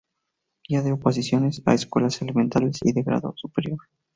Guía de oposiciones á escuelas elementales y de grado superior".